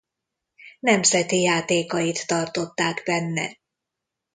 Nemzeti Játékait tartották benne.